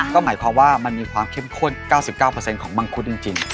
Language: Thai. ก็หมายความว่ามันมีความเข้มข้น๙๙ของมังคุดจริง